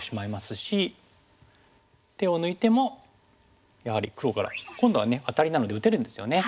手を抜いてもやはり黒から今度はアタリなので打てるんですよね。